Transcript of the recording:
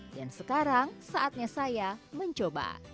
dan sekarang saatnya saya mencoba